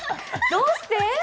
どうして？